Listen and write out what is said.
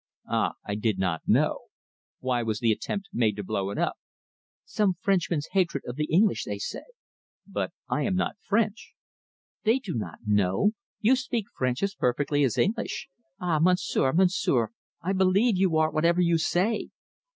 "Ah, I did not know. Why was the attempt made to blow it up?" "Some Frenchman's hatred of the English, they say." "But I am not French." "They do not know. You speak French as perfectly as English ah, Monsieur, Monsieur, I believe you are whatever you say."